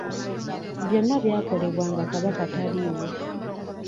Byonna byakolebwa nga Kabaka taliiwo.